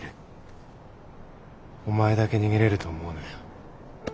お前だけ逃げれると思うなよ。